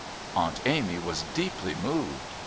Aunt Amy was deeply moved.